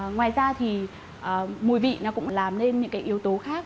ngoài ra thì mùi vị nó cũng làm nên những cái yếu tố khác